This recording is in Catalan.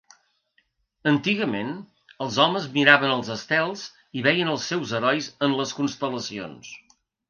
Antigament, els homes miraven els estels i veien els seus herois en les constel·lacions.